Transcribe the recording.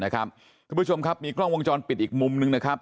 คุณผู้ชมครับมีกล้องวงจรปิดอีกมุมนึงนะครับ